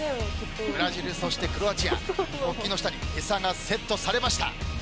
ブラジルそしてクロアチア国旗の下に餌がセットされました。